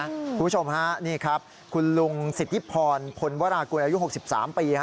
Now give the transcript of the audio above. คุณผู้ชมฮะนี่ครับคุณลุงสิทธิพรพลวรากุลอายุ๖๓ปี